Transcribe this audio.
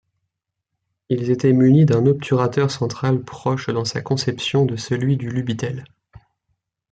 Ils étaient munis d'un obturateur central proche dans sa conception de celui du Lubitel.